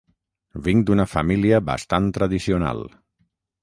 vinc d'una família bastant tradicional